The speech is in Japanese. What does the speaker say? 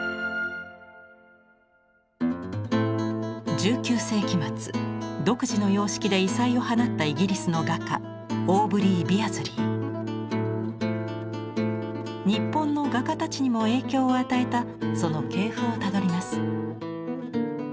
１９世紀末独自の様式で異彩を放ったイギリスの画家日本の画家たちにも影響を与えたその系譜をたどります。